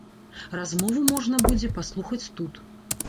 Размову можна будзе паслухаць тут.